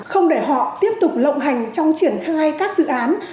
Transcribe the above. không để họ tiếp tục lộng hành trong triển khai các dự án